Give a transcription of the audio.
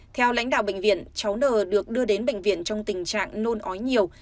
theo lãnh đạo bệnh viện cháu n được đưa đến bệnh viện trong tình trạng nôn ói nhiều